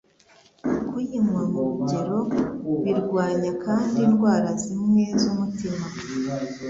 Kuyinywa mu rugero birwanya kandi indwara zimwe z'umutima.